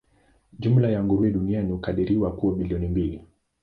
Jumla ya nguruwe duniani hukadiriwa kuwa bilioni mbili.